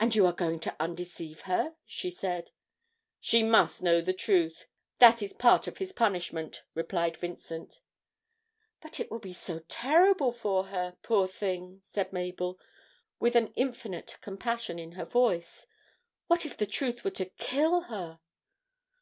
'And you are going to undeceive her?' she said. 'She must know the truth. That is part of his punishment,' replied Vincent. 'But it will be so terrible for her, poor thing!' said Mabel, with an infinite compassion in her voice. 'What if the truth were to kill her?'